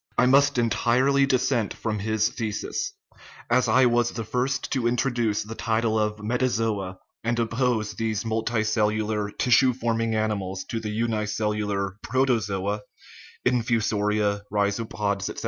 I must entirely dissent from his thesis. As I was 190 THE IMMORTALITY OF THE SOUL the first to introduce the title of metazoa, and oppose these multicellular, tissue forming animals to the uni cellular protozoa (infusoria, rhizopods, etc.)